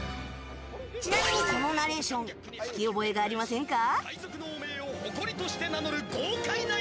ちなみにこのナレーション聞き覚えがありませんか？